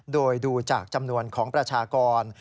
โดยดูจากจำนวนของประชากร